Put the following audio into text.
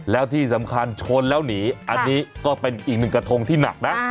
แล้วที่สำคัญชนแล้วหนีอันนี้ก็เป็นอีกหนึ่งกระทงที่หนักนะ